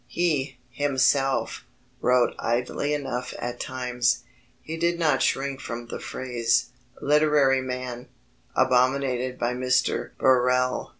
He, himself, wrote idly enough at times: he did not shrink from the phrase, "literary man," abominated by Mr. Birrell.